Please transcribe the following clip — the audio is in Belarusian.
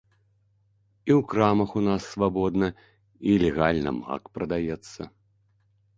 І ў крамах у нас свабодна і легальна мак прадаецца.